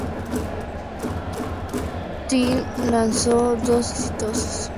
Trine lanzó dos sencillos exitosos.